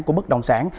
của bất động sản